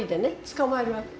つかまえるわけ。